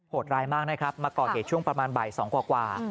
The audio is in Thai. ดร้ายมากนะครับมาก่อเหตุช่วงประมาณบ่าย๒กว่า